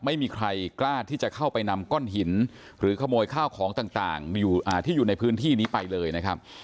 ไม่มีใครกล้าที่จะเข้าไปนำก้อนหินหรือขโมยข้าวของต่างที่อยู่ในพื้นที่นี้ไปเลยนะครับ